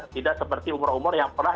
tidak seperti umroh umroh yang pernah